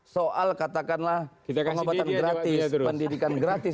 soal katakanlah pengobatan gratis pendidikan gratis